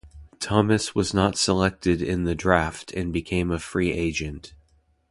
Thomas was not selected in the draft and became a free agent.